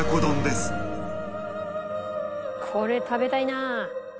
これ食べたいな。